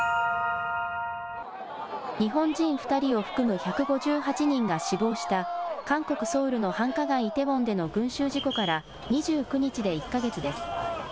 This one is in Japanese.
日本人２人を含む１５８人が死亡した、韓国・ソウルの繁華街イテウォンでの群集事故から、２９日で１か月です。